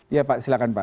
ya pak silakan pak